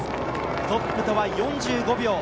トップとは４５秒。